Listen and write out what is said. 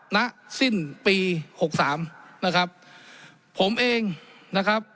ณสิ้นปีหกสามนะครับผมเองนะครับ